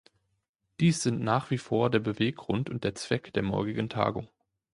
Dies sind nach wie vor der Beweggrund und der Zweck der morgigen Tagung.